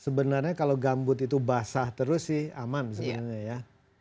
sebenarnya kalau gambut itu basah terus sih aman sebenarnya ya